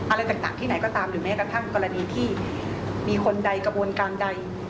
อะไรต่างที่ไหนก็ตามหรือแม้กระทั่งกรณีที่มีคนใดกระบวนการใด